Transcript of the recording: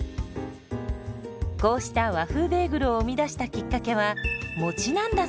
こうした和風ベーグルを生み出したきっかけはもちなんだそう。